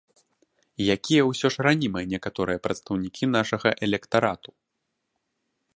Якія ўсё ж ранімыя некаторыя прадстаўнікі нашага электарату!